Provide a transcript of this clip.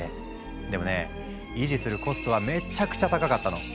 でもね維持するコストはめちゃくちゃ高かったの。